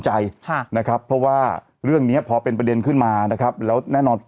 ใจค่ะนะครับเพราะว่าเรื่องเนี้ยพอเป็นประเด็นขึ้นมานะครับแล้วแน่นอน